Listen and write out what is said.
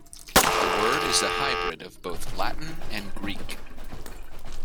The word is a hybrid of both Latin and Greek.